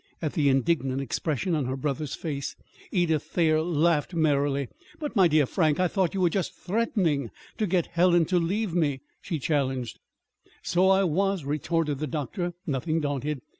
At the indignant expression on her brother's face, Edith Thayer laughed merrily. "But, my dear Frank, I thought you were just threatening to get Helen to leave me!" she challenged. "So I was," retorted the doctor, nothing daunted.